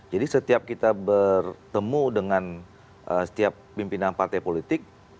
jadi setiap kita bertemu dengan setiap pimpinan partai politik